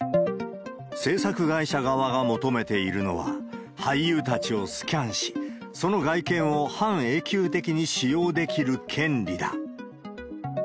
制作会社側が求めているのは、俳優たちをスキャンし、その外見を半永久的に使用できる権利だ。